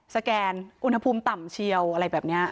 แกนอุณหภูมิต่ำเชียวอะไรแบบนี้